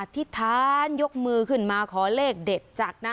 ธิษฐานยกมือขึ้นมาขอเลขเด็ดจากนะ